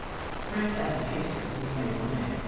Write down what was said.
] Frank Abney Hastings was an abler man.